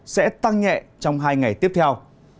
sẽ tăng nhẹ trong hai ngày tiếp theo